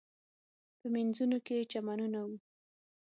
په مینځونو کې یې چمنونه و.